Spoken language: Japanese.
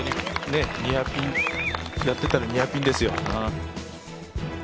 やってたらニアピンですよ。